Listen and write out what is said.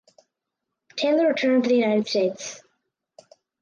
Taylor returned to the United States.